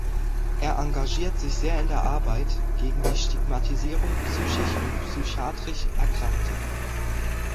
Er engagiert sich sehr in der Arbeit gegen die Stigmatisierung psychisch und psychiatrisch Erkrankter.